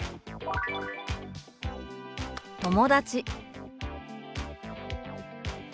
「友達」。